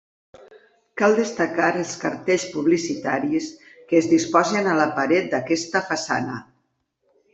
Cal destacar els cartells publicitaris que es disposen a la paret d'aquesta façana.